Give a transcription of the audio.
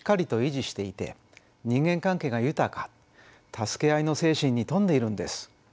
助け合いの精神に富んでいるんです。